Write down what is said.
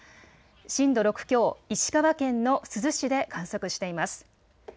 震度６強、石川県の珠洲市で観測しています。